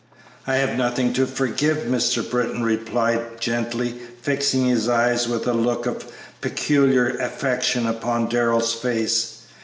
"I have nothing to forgive," Mr. Britton replied, gently, fixing his eyes with a look of peculiar affection upon Darrell's face.